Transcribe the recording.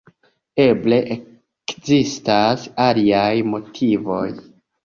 Eble, ekzistas aliaj motivoj.